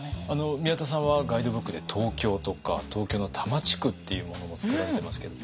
宮田さんはガイドブックで東京とか東京の多摩地区っていうものも作られてますけども。